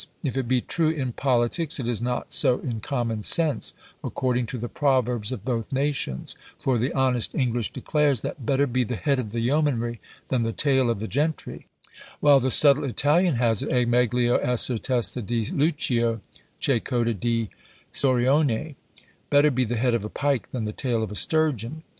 If it be true in politics, it is not so in common sense, according to the proverbs of both nations; for the honest English declares, that "Better be the head of the yeomanry than the tail of the gentry;" while the subtle Italian has it, "E meglio esser testa di Luccio, che coda di Storione;" "better be the head of a pike than the tail of a sturgeon."